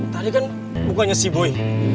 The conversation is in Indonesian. tadi kan bukannya sea boy